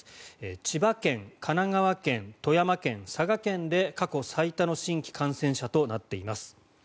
千葉県、神奈川県富山県、佐賀県で過去最多の新規感染者となっています。